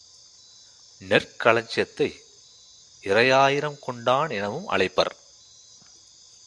நெற்களஞ்சியத்தை இரையாயிரம் கொண்டான் எனவும் அழைப்பர்.